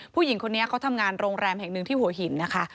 ผู้หญิงคนนี้เขาทำงานโรงแรมแห่งหนึ่งที่หัวหินนะคะ